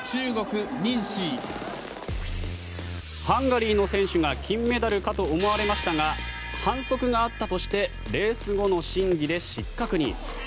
ハンガリーの選手が金メダルかと思われましたが反則があったとしてレース後の審議で失格に。